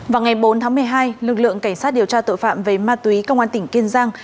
vào ngày bốn tháng một mươi hai lực lượng cảnh sát điều tra tội phạm về ma túy công an tỉnh kiên giang